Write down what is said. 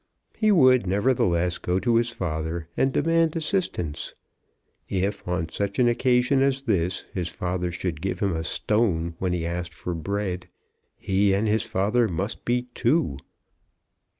He would, nevertheless, go to his father and demand assistance. If on such an occasion as this his father should give him a stone when he asked for bread, he and his father must be two!